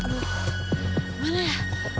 aduh gimana ya